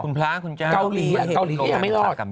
เกาหลียังไม่รอด